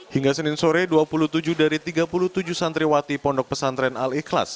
hingga senin sore dua puluh tujuh dari tiga puluh tujuh santriwati pondok pesantren al ikhlas